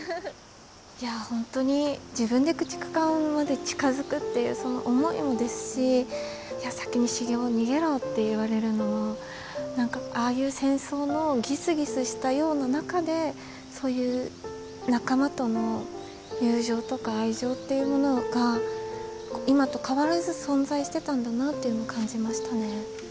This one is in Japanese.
いや本当に自分で駆逐艦まで近づくっていうその思いもですし「先に繁雄逃げろ」って言われるのはああいう戦争のギスギスしたような中でそういう仲間との友情とか愛情っていうものが今と変わらず存在してたんだなっていうのを感じましたね。